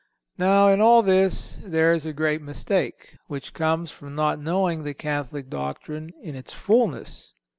Now, in all this, there is a great mistake, which comes from not knowing the Catholic doctrine in its fulness.